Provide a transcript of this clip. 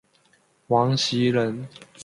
王袭人。